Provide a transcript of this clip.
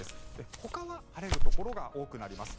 ほかは晴れるところが多くなります。